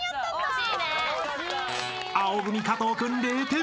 ［青組加藤君０点］